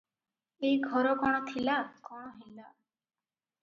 ଏଇ ଘର କଣ ଥିଲା, କଣ ହେଲା ।